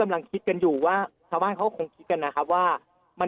มันก็จะมีความเชื่อมโยงอะไรกันหรือเปล่า